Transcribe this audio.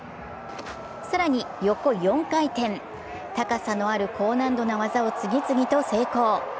更に横４回転、高さのある高難度の技を次々と成功。